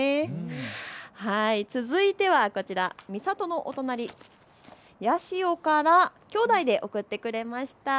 続いては三郷のお隣、八潮からきょうだいで送ってくれました。